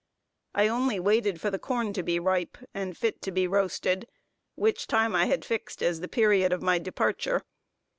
I only waited for the corn to be ripe, and fit to be roasted, which time I had fixed as the period of my departure.